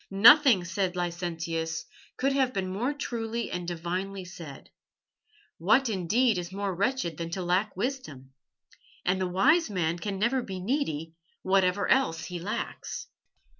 "Nothing," said Licentius, "could have been more truly and divinely said. What, indeed, is more wretched than to lack wisdom? And the wise man can never be needy, whatever else he lacks."